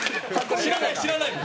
知らない知らないもん。